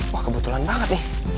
wah kebetulan banget nih